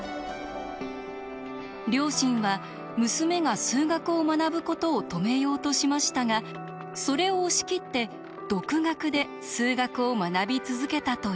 両親は娘が数学を学ぶことを止めようとしましたがそれを押し切って独学で数学を学び続けたといいます。